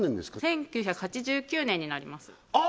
１９８９年になりますあ